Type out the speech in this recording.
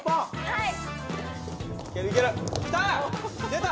はい！